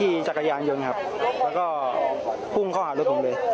จักรยานยนต์ครับแล้วก็พุ่งเข้าหารถผมเลย